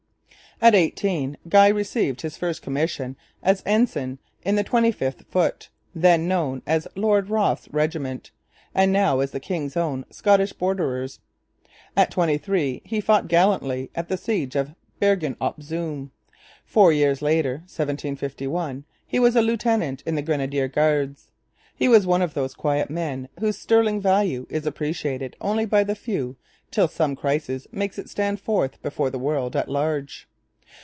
At eighteen Guy received his first commission as ensign in the 25th Foot, then known as Lord Rothes' regiment and now as the King's Own Scottish Borderers. At twenty three he fought gallantly at the siege of Bergen op Zoom. Four years later (1751) he was a lieutenant in the Grenadier Guards. He was one of those quiet men whose sterling value is appreciated only by the few till some crisis makes it stand forth before the world at large.